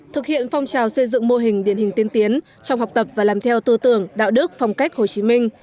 thực hiện phong trào xây dựng mô hình điển hình tiên tiến trong học tập và làm theo tư tưởng đạo đức phong cách hồ chí minh